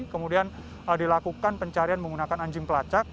kemudian dilakukan pencarian menggunakan anjing pelacak